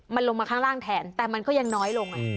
มันลงมาข้างล่างแทนแต่มันก็ยังน้อยลง